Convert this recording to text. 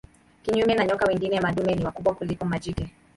Kinyume na nyoka wengine madume ni wakubwa kuliko majike.